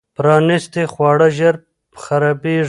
پرانیستي خواړه ژر خرابېږي.